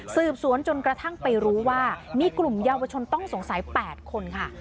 สืบสวนจนกระทั่งไปรู้ว่ามีกลุ่มเยาวชนต้องสงสัย๘คนค่ะ